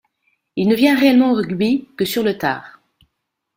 Il ne vient réellement au rugby que sur le tard.